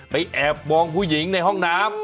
แอบมองผู้หญิงในห้องน้ำ